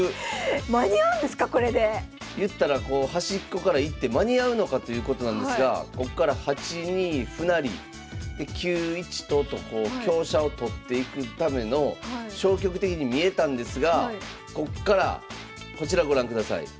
間に合うんですかこれで⁉いったら端っこから一手間に合うのかということなんですがこっから８二歩成で９一と金と香車を取っていくための消極的に見えたんですがこっからこちらご覧ください。